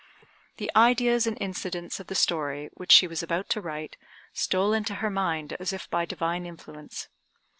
The ideas and incidents of the story, which she was about to write, stole into her mind as if by divine influence.